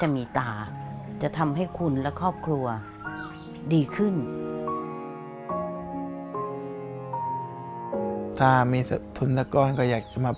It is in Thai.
มาฝากเขา